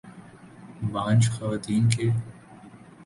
بانجھ خواتین کے